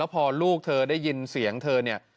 พอลูกเธอได้ยินเสียงเธอเนี่ย